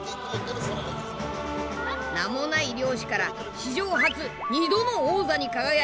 名もない漁師から史上初２度の王座に輝いた大横綱だ。